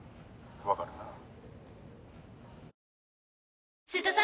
わかるな？